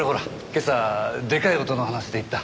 今朝でかい音の話で行った。